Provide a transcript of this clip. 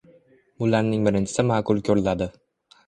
Bularning birinchisi ma’qul ko‘riladi